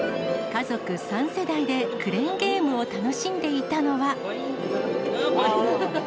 家族３世代でクレーンゲームを楽しんでいたのは。